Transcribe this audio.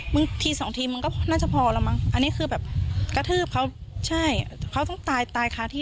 บางทีสองทีมึงก็น่าจะพอแล้วมั้งอันนี้คือแบบกระทืบเขาใช่เขาต้องตายตายคาที่